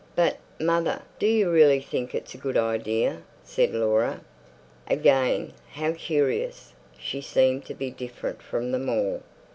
"But, mother, do you really think it's a good idea?" said Laura. Again, how curious, she seemed to be different from them all.